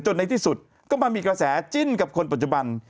ในที่สุดก็มามีกระแสจิ้นกับคนปัจจุบัน